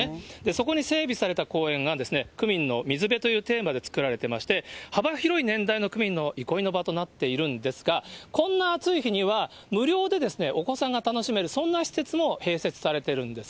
そこに整備された公園なんですね、区民の水辺というテーマで作られてまして、幅広い年代の区民の憩いの場となっているんですが、こんな暑い日には、無料でお子さんが楽しめる、そんな施設も併設されてるんです。